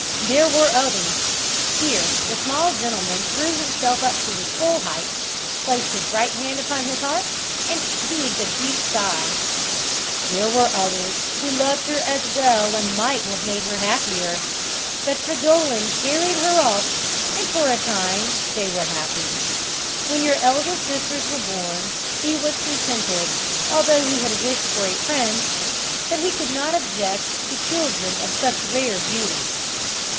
There were others," (here the small gentleman drew himself up to his full height, placed his right hand upon his heart, and heaved a deep sigh), "there were others who loved her as well and might have made her happier. But Fridolin carried her off, and for a time they were happy. When your elder sisters were born he was contented, although he had wished for a prince, but he could not object to children of such rare beauty.